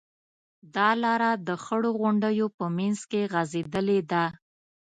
دا لاره د خړو غونډیو په منځ کې غځېدلې ده.